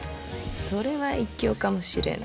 それは一興かもしれぬ。